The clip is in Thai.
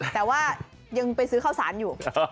แต่ว่ายังไปซื้อข้าวสารอยู่